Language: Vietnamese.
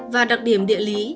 và đặc điểm địa lý